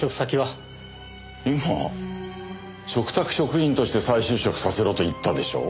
今嘱託職員として再就職させろと言ったでしょう？